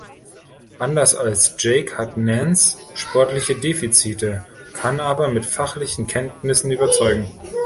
Anders als Jake hat Nance sportliche Defizite, kann aber mit fachlichen Kenntnissen überzeugen.